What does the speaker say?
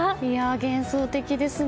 幻想的ですね。